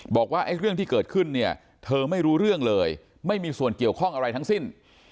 บอกว่าไอ้เรื่องที่เกิดขึ้นเนี่ยเธอไม่รู้เรื่องเลยไม่มีส่วนเกี่ยวข้องอะไรทั้งสิ้น